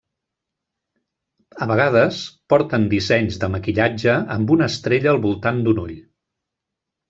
A vegades, porten dissenys de maquillatge amb una estrella al voltant d'un ull.